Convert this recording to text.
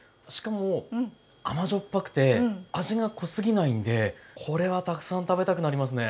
ぱくて味が濃すぎないんでこれはたくさん食べたくなりますね。